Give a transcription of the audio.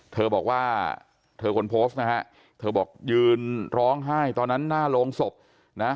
เธอบอกว่าเธอคนโพสต์นะฮะเธอบอกยืนร้องไห้ตอนนั้นหน้าโรงศพนะ